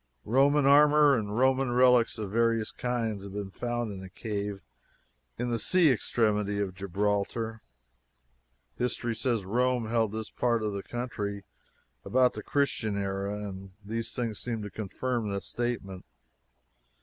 Roman armor and Roman relics of various kinds have been found in a cave in the sea extremity of Gibraltar; history says Rome held this part of the country about the Christian era, and these things seem to confirm the statement.